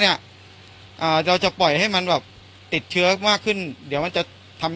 เนี้ยอ่าเราจะปล่อยให้มันแบบติดเชื้อมากขึ้นเดี๋ยวมันจะทำ